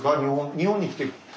日本に来て。